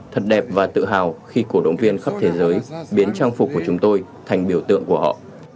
thật đẹp và tự hào khi cổ động viên khắp thế giới biến trang phục của chúng tôi thành biểu tượng của họ